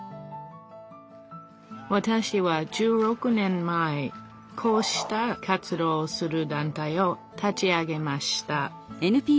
わたしは１６年前こうした活動をする団体を立ち上げました。